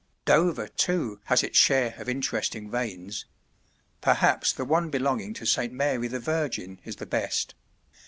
Dover, too, has its share of interesting vanes; perhaps the one belonging to St. Mary the Virgin is the best.